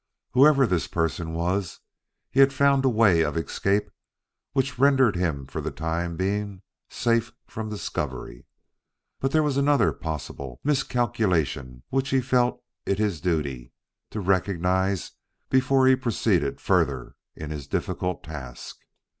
Whoever this person was, he had found a way of escape which rendered him for the time being safe from discovery. But there was another possible miscalculation which he felt it his duty to recognize before he proceeded further in his difficult task.